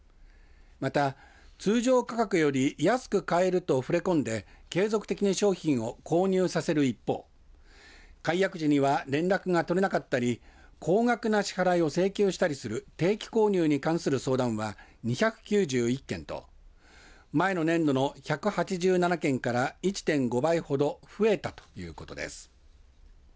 また通常価格より安く買えると触れ込んで継続的に商品を購入させる一方解約時には連絡が取れなかったり高額な支払いを請求したりする定期購入に関する相談は２９１件と前の年度の１８７件から１．５倍ほど増えたということです。